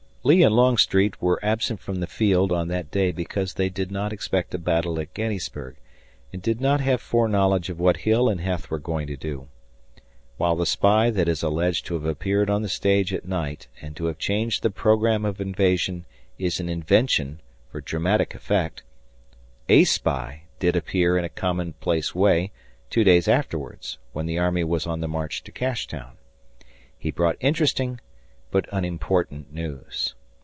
Lee and Longstreet were absent from the field on that day because they did not expect a battle at Gettysburg, and did not have foreknowledge of what Hill and Heth were going to do. While the spy that is alleged to have appeared on the stage at night and to have changed the program of invasion is an invention for dramatic effect, a spy did appear in a commonplace way two days afterwards, when the army was on the march to Cashtown. He brought interesting but unimportant news.